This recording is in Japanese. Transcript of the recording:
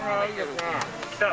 きた。